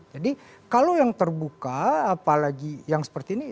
jadi kalau yang terbuka apalagi yang seperti ini